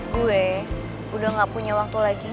gue udah gak punya waktu lagi